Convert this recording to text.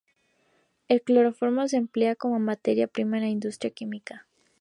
El cloroformo se emplea como materia prima en la industria química.